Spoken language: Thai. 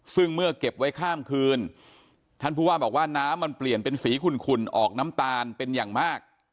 ซึ่งเมื่อเก็บไว้ข้ามคืนท่านผู้ว่าบอกว่าน้ำมันเปลี่ยนเป็นสีขุ่นออกน้ำตาลเป็นอย่างมาก